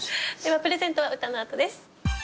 プレゼントは歌の後です。